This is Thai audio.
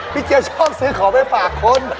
พี่เจ๊ฟชอบซื้อของให้ฝากคน